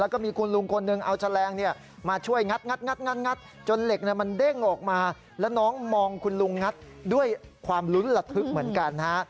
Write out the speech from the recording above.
คุณลุงฉันมาไหว้คุณลุงด้วยนะ